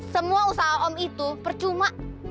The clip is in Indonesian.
semua usaha om itu percuma